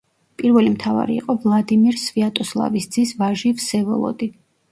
პირველი მთავარი იყო ვლადიმირ სვიატოსლავის ძის ვაჟი ვსევოლოდი.